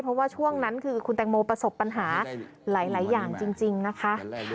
เพราะว่าช่วงนั้นคือคุณแตงโมประสบปัญหาหลายอย่างจริงนะคะ